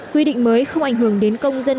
quy định mới không ảnh hưởng đến công dân